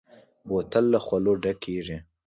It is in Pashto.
بوتل له خولو ډک کېږي.